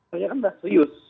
saya kan serius